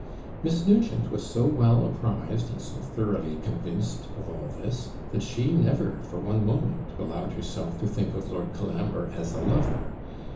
Miss Nugent was so well apprised, and so thoroughly convinced of all this, that she never for one moment allowed herself to think of Lord Colambre as a lover.